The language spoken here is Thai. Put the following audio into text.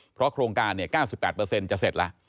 เพราะโครงการ๙๘จะเสร็จแล้ว